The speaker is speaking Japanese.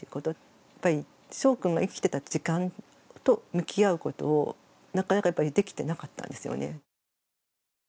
やっぱりしょうくんが生きてた時間と向き合うことをなかなかやっぱりできてなかったんですよね。